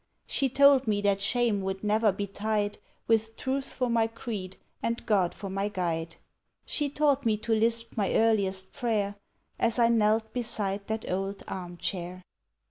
She told me that shame would never betide, With truth for my creed and God for my guide She taught me to lisp my earliest prayer, As I knelt beside that old arm chair.